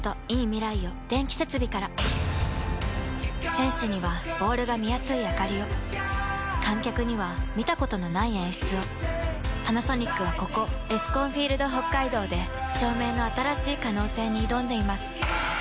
選手にはボールが見やすいあかりを観客には見たことのない演出をパナソニックはここエスコンフィールドＨＯＫＫＡＩＤＯで照明の新しい可能性に挑んでいます